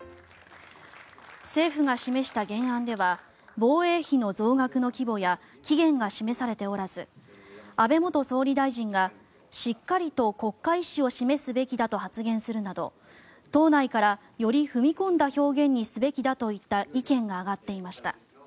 政府が示した原案では防衛費の増額の規模や期限が示されておらず安倍元総理大臣がしっかりと国家意思を示すべきだと発言するなど党内からより踏み込んだ表現にすべきだといった意見が上がっていました。